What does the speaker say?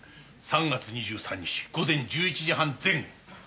３月２３日午前１１時半前後。